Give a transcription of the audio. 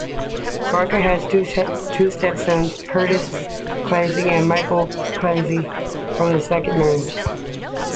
Becker had two stepsons, Cyrus Claffey and Michael Claffey, from his second marriage.